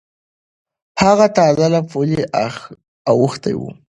هغه تازه له پولې اوختی و.